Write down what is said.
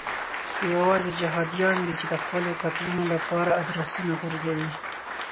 یوازې جهادیان دي چې د خپلو قتلونو لپاره ادرسونه غورځوي.